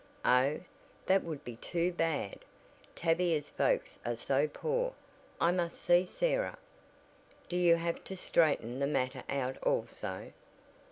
"Oh, that would be too bad! Tavia's folks are so poor. I must see Sarah." "Do you have to straighten that matter out also?